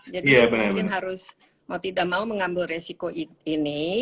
jadi mungkin harus mau tidak mau mengambil resiko ini